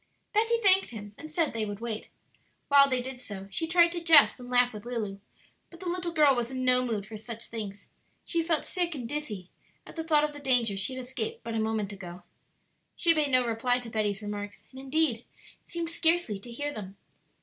Betty thanked him and said they would wait. While they did so she tried to jest and laugh with Lulu; but the little girl was in no mood for such things; she felt sick and dizzy at the thought of the danger she had escaped but a moment ago. She made no reply to Betty's remarks, and indeed seemed scarcely to hear them.